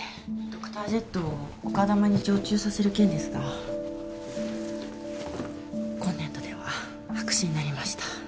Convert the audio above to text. ドクタージェットを丘珠に常駐させる件ですが今年度では白紙になりました。